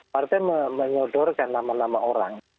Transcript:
partai menyodorkan nama nama orang